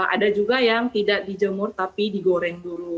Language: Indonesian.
ada juga yang tidak dijemur tapi digoreng dulu